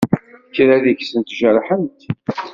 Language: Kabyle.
Kra deg-sent jerḥent.